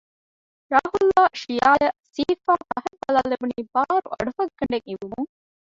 ރާހުލް އާއި ޝިޔާއަށް ސިހިފައި ފަހަތް ބަލާލެވުނީ ބާރު އަޑުފައްގަނޑެއް އިވުމުން